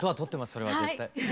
それは絶対。